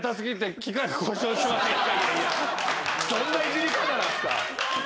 どんないじり方なんすか。